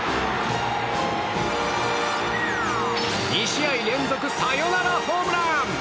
２試合連続サヨナラホームラン！